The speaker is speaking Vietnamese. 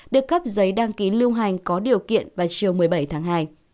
được cấp giấy đăng ký lưu hành có điều kiện vào chiều một mươi bảy tháng hai